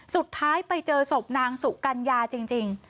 สุดท้ายไปเจอศพนางสุกัญญาจริง